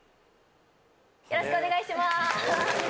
よろしくお願いします！